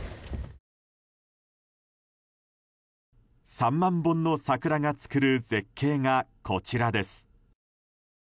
３万本の桜が作る絶景がこちらです。